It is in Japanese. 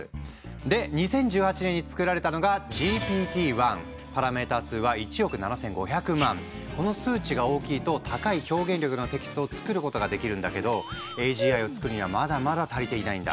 で２０１８年に作られたのがこの数値が大きいと高い表現力のテキストを作ることができるんだけどＡＧＩを作るにはまだまだ足りていないんだ。